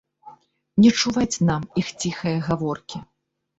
Не чуваць нам іх ціхае гаворкі.